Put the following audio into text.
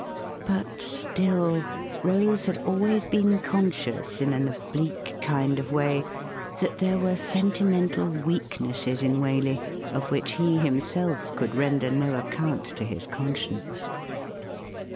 But, still, Rose had always been conscious in an oblique kind of way that there were sentimental weaknesses in Waley of which he himself could render no account to his conscience.